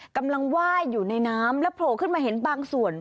กำลังไหว้อยู่ในน้ำแล้วโผล่ขึ้นมาเห็นบางส่วน